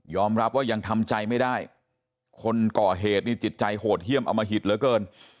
รับว่ายังทำใจไม่ได้คนก่อเหตุนี่จิตใจโหดเยี่ยมอมหิตเหลือเกิน